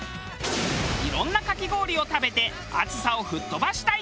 いろんなかき氷を食べて暑さを吹っ飛ばしたい！